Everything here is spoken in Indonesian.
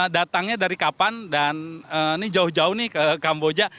datangnya dari kapan dan ini jauh jauh nih ke kamboja